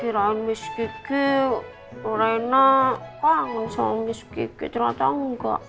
kira miss kiki mbak mirna kangen sama miss kiki ternyata enggak